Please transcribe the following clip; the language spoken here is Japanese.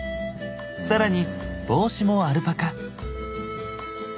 さらに帽子もアルパカ。